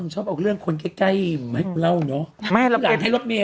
ชอบเอาเรื่องคนใกล้ใกล้ไม่ให้เราเนาะไม่เราให้รถมี